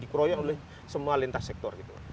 dikeroyok oleh semua lintas sektor gitu